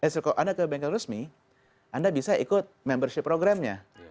kalau anda ke bengkel resmi anda bisa ikut membership programnya